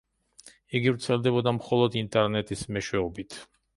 იგი ვრცელდებოდა მხოლოდ ინტერნეტის მეშვეობით.